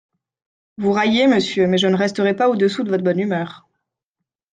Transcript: Vous raillez, monsieur ; mais je ne resterai pas au-dessous de votre bonne humeur.